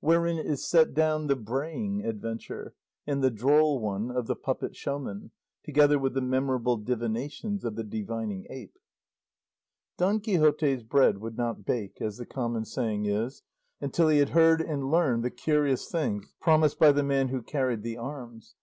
WHEREIN IS SET DOWN THE BRAYING ADVENTURE, AND THE DROLL ONE OF THE PUPPET SHOWMAN, TOGETHER WITH THE MEMORABLE DIVINATIONS OF THE DIVINING APE Don Quixote's bread would not bake, as the common saying is, until he had heard and learned the curious things promised by the man who carried the arms.